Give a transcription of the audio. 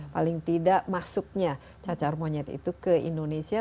paling tidak masuknya cacar monyet itu ke indonesia